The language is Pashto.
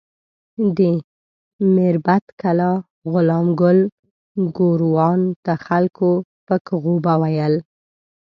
د میربت کلا غلام ګل ګوروان ته خلکو پک غوبه ویل.